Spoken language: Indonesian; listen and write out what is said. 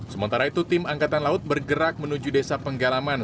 sementara itu tim angkatan laut bergerak menuju desa penggalaman